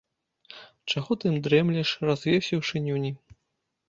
Чаго ты дрэмлеш, развесіўшы нюні.